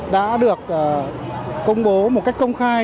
đã được công bố một cách công khai